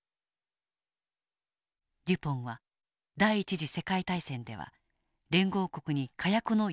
デュポンは第１次世界大戦では連合国に火薬の４０％を供給。